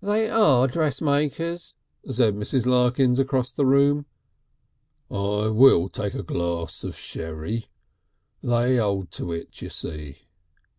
"They are dressmakers," said Mrs. Larkins across the room. "I will take a glass of sherry. They 'old to it, you see."